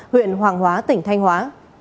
huyện hoàng hóa tỉnh thanh hóa